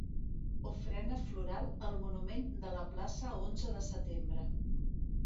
Ofrena floral al monument de la plaça onze de setembre.